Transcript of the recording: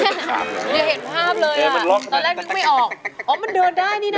เห็นภาพเลยอ่ะตอนแรกนึกไม่ออกอ๋อมันเดินได้นี่น่ะ